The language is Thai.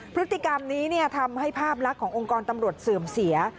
พฤติกรรมนี้ทำให้ภาพลักษณ์ขององค์กรตำรวจเสื่อมเสีย